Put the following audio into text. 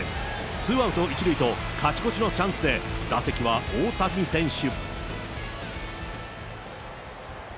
ツーアウト１塁と勝ち越しのチャンスで打席は大谷選手。